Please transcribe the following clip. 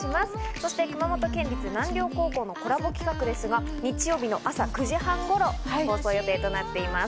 そして熊本県立南稜高校のコラボ企画ですが、日曜日の朝９時半頃放送予定となっております。